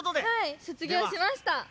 はい卒業しました。